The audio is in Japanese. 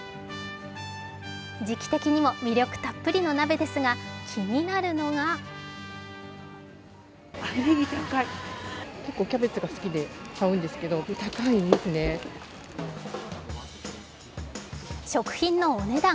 時期的にも魅力たっぷりの鍋ですが、気になるのが食品のお値段。